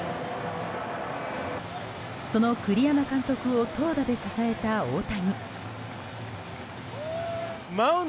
その栗山監督を投打で支えた大谷。